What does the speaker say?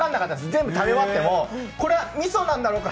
全部食べ終わっても、これはみそなんだろうか、